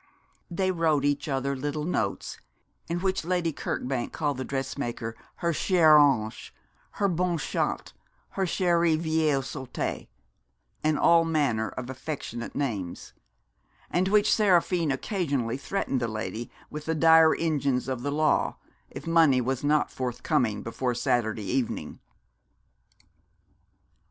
They wrote each other little notes, in which Lady Kirkbank called the dressmaker her cher ange her bonne chatte, her chère vielle sotte and all manner of affectionate names and in which Seraphine occasionally threatened the lady with the dire engines of the law, if money were not forthcoming before Saturday evening.